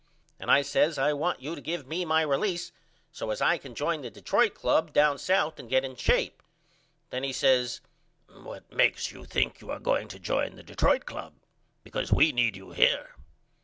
And I says I want you to give me my release so as I can join the Detroit Club down South and get in shape. Then he says What makes you think you are going to join the Detroit Club? Because we need you here.